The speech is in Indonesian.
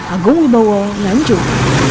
agungi bowo nganjuk